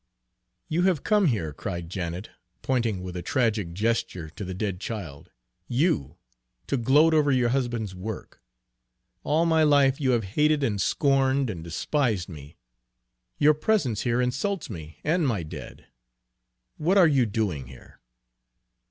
"You have come here," cried Janet, pointing with a tragic gesture to the dead child, "you, to gloat over your husband's work. All my life you have hated and scorned and despised me. Your presence here insults me and my dead. What are you doing here?"